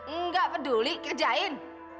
enggak peduli kerjain